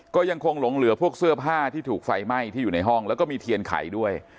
ก็ยังคงหลงเหลือพวกเสื้อผ้าที่ถูกไฟไหม้ที่อยู่ในห้องแล้วก็มีเทียนไข่ด้วย